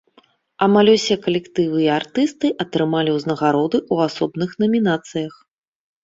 Амаль усе калектывы і артысты атрымалі ўзнагароды ў асобных намінацыях.